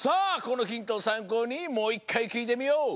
このヒントをさんこうにもう１かいきいてみよう。